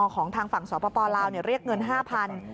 ของทางฝั่งสปลาวเรียกเงิน๕๐๐บาท